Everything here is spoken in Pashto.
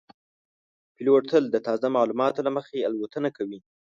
پیلوټ تل د تازه معلوماتو له مخې الوتنه کوي.